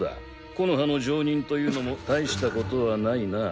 木ノ葉の上忍というのも大したことはないな。